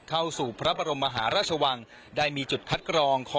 เข้าสู่พระบรมมหาราชวังได้มีจุดคัดกรอง